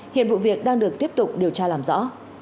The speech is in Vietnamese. hiện vụ việc đang được tiếp tục điều tra làm rõ